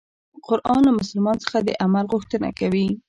قرآن له مسلمان څخه د عمل غوښتنه کوي.